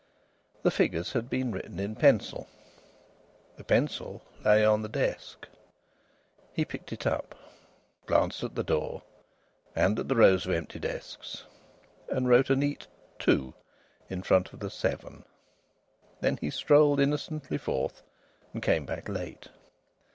The figures had been written in pencil. The pencil lay on the desk. He picked it up, glanced at the door and at the rows of empty desks, and wrote a neat "2" in front of the 7; then he strolled innocently forth and came back late.